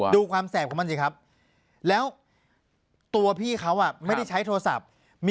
ดูความแสบของมันสิครับแล้วตัวพี่เขาไม่ได้ใช้โทรศัพท์